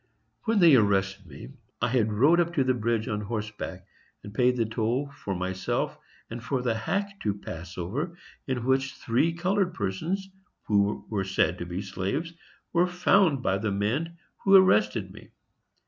When they arrested me, I had rode up to the bridge on horseback and paid the toll for myself and for the hack to pass over, in which three colored persons, who were said to be slaves, were found by the men who arrested me.